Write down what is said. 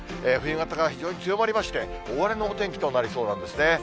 冬型が非常に強まりまして、大荒れのお天気となりそうなんですね。